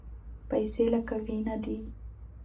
پیسې لکه وینه دي.